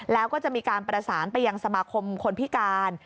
แล้วก็จะมีการประสานไปยังสมาคมคนพิการ